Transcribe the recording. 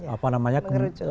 apa namanya mengerucut